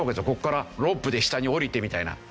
ここからロープで下に下りてみたいな。